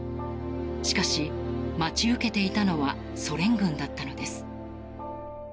しかし、待ち受けていたのはソ連軍だったのです。